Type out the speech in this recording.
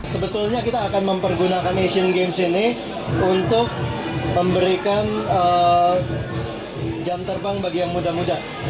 sebetulnya kita akan mempergunakan asian games ini untuk memberikan jam terbang bagi yang muda muda